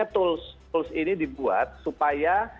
tools ini dibuat supaya